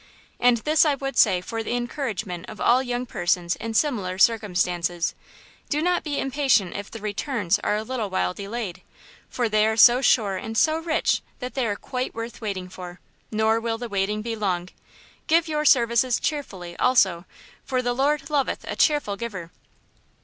And this I would say for the encouragement of all young persons in similar circumstances–do not be impatient if the "returns" are a little while delayed, for they are so sure and so rich that they are quite worth waiting for, nor will the waiting be long. Give your services cheerfully, also, for "the Lord loveth a cheerful giver."